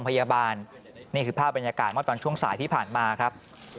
พันตะลดโทวะศิลป์ผู้บัดเจ็บบอกว่ายังเจ็บแผลอยู่ครับ